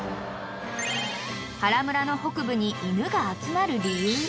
［原村の北部に犬が集まる理由］